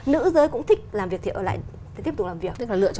nữ giới cũng thích làm việc thì ở lại tiếp tục làm việc